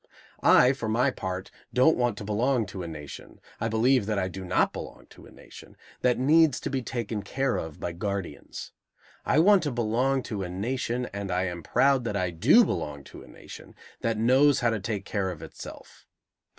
I, for my part, don't want to belong to a nation, I believe that I do not belong to a nation, that needs to be taken care of by guardians. I want to belong to a nation, and I am proud that I do belong to a nation, that knows how to take care of itself.